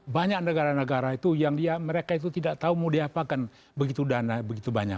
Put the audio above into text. banyak negara negara itu yang mereka itu tidak tahu mau diapakan begitu dana begitu banyak